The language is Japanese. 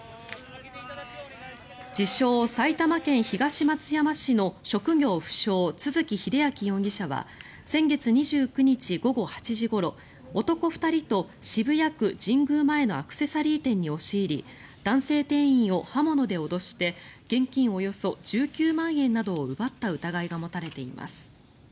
自称・埼玉県東松山市の職業不詳、都築英明容疑者は先月２９日午後８時ごろ男２人と渋谷区神宮前のアクセサリー店に押し入り男性店員を刃物で脅して現金およそ１９万円などを奪った疑いが持たれています。